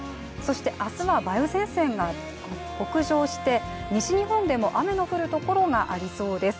明日は梅雨前線が北上して西日本でも雨の降るところがありそうです。